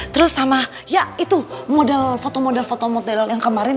terus sama ya itu model foto model yang kemarin